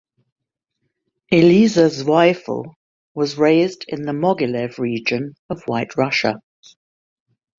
Eliezer Zweifel was raised in the Mogilev region of White Russia.